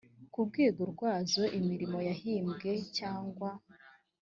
ku rwego rwazo imirimo yahimbwe cyangwa